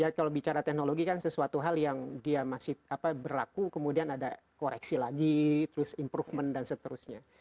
ya kalau bicara teknologi kan sesuatu hal yang dia masih berlaku kemudian ada koreksi lagi terus improvement dan seterusnya